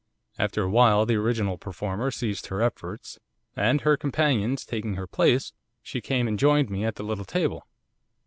'After a while the original performer ceased her efforts, and, her companions taking her place, she came and joined me at the little table.